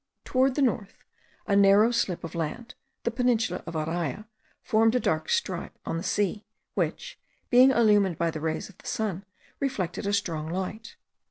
Towards the north, a narrow slip of land, the peninsula of Araya, formed a dark stripe on the sea, which, being illumined by the rays of the sun, reflected a strong light.